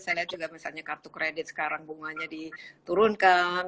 saya lihat juga misalnya kartu kredit sekarang bunganya diturunkan